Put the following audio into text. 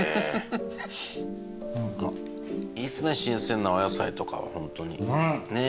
いいっすね新鮮なお野菜とかはホントに。ねえ。